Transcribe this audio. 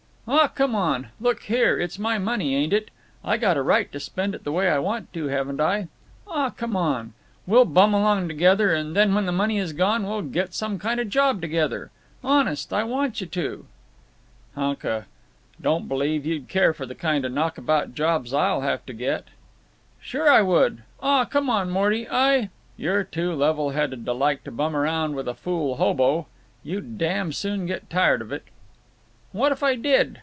"Aw, come on. Look here; it's my money, ain't it? I got a right to spend it the way I want to, haven't I? Aw, come on. We'll bum along together, and then when the money is gone we'll get some kind of job together. Honest, I want you to." "Hunka. Don't believe you'd care for the kind of knockabout jobs I'll have to get." "Sure I would. Aw, come on, Morty. I—" "You're too level headed to like to bum around like a fool hobo. You'd dam soon get tired of it." "What if I did?